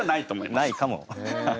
ないかも。